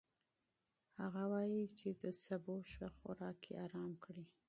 هغه وايي چې د سبو ښه خوراک يې ارام کړی.